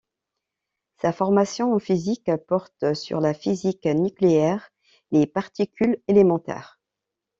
Sa formation en physique porte sur la physique nucléaire et les particules élémentaires.